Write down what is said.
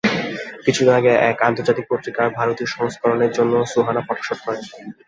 কিছুদিন আগে এক আন্তর্জাতিক পত্রিকার ভারতীয় সংস্করণের জন্য সুহানা ফটোশুট করেন।